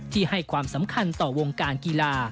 ที่ให้ความสำคัญต่อวงการกีฬา